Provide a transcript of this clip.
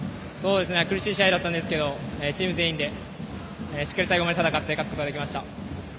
苦しい試合だったんですがチーム全員でしっかり戦って、勝つことができました。